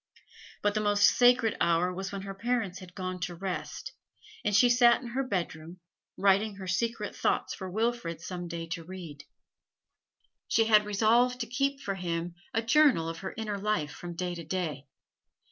But the most sacred hour was when her parents had gone to rest, and she sat in her bedroom, writing her secret thoughts for Wilfrid some day to read. She had resolved to keep for him a journal of her inner life from day to day.